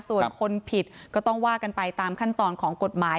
ส่วนคนผิดก็ต้องว่ากันไปตามขั้นตอนของกฎหมาย